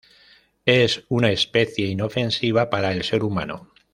Es una especie inofensiva para el ser humano.